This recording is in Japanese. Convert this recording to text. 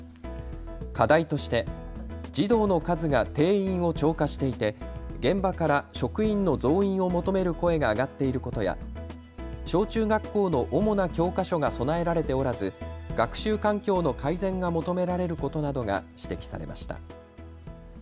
課題として児童の数が定員を超過していて現場から職員の増員を求める声が上がっていることや小中学校の主な教科書が備えられておらず学習環境の改善が求められることなどが指摘されました。